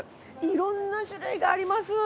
色んな種類があります。